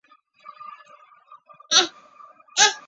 莱斯帕罗谢。